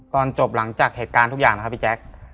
ตอนจบหลังจากเหตุการณ์ทุกอย่างนะครับพี่แจ๊ค